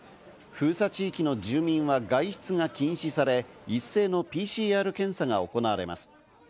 封鎖地域の住民は外出が禁止され、一斉のＰＣＲ検査が行われます。